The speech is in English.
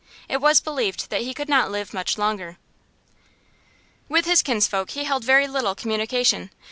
It was believed that he could not live much longer. With his kinsfolk he held very little communication.